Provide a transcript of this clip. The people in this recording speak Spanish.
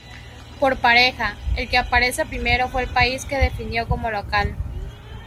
Por pareja, el que aparece primero fue el país que definió como local.